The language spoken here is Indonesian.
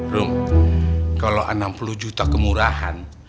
rum kalau enam puluh juta kemurahan